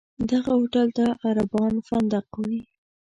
دغه هوټل ته عربان فندق وایي.